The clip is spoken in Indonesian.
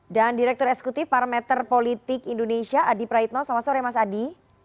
direktur eksekutif parameter politik indonesia adi praitno selamat sore mas adi